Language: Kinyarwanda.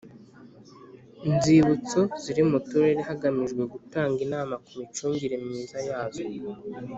Nzibutso ziri mu turere hagamijwe gutanga inama ku micungire myiza yazo